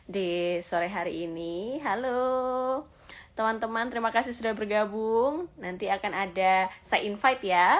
di sore hari ini halo teman teman terima kasih sudah bergabung nanti akan ada saya invite ya